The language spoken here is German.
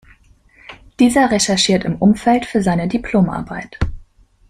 Dieser recherchiert im Umfeld für seine Diplomarbeit.